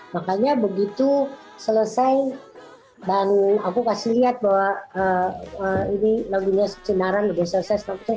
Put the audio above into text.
makanya begitu selesai dan aku kasih lihat bahwa ini lagunya cenderung lebih sukses